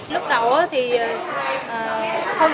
lúc đầu thì không tin là thầy mở